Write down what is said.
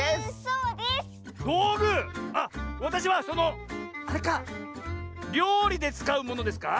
あっわたしはそのあれかりょうりでつかうものですか？